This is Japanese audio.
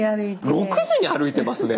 ６時に歩いてますね！